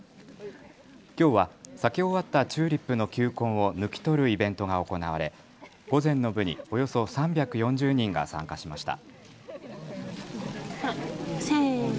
きょうは咲き終わったチューリップの球根を抜き取るイベントが行われ午前の部におよそ３４０人が参加しました。